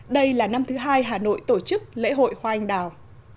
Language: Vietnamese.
đây là năm thứ hai hà nội tổ chức lễ hội hoa anh đào